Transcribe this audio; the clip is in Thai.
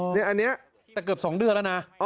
แต่เกือบ๒เดือนแล้วนะ